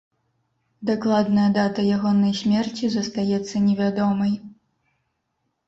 Дакладная дата ягонай смерці застаецца невядомай.